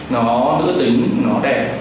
nó nữ tính nó đẹp